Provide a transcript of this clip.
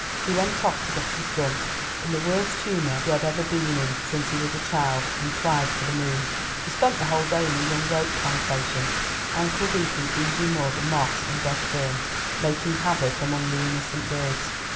He went off to get his gun, in the worst humour he had ever been in since he was a child and cried for the moon. He spent the whole day in a young oak plantation, ankle deep in oozy mud, moss, and dead fern, making havoc among the innocent birds.